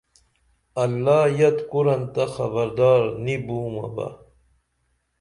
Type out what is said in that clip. اللہ یت کُرن تہ خبردار نی بُومہ بہ